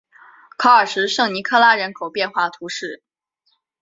考尔什圣尼科拉人口变化图示